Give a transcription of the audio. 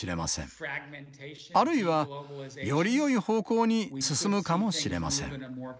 あるいはよりよい方向に進むかもしれません。